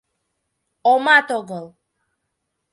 — Омат огыл.